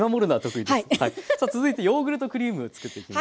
さあ続いてヨーグルトクリームつくっていきます。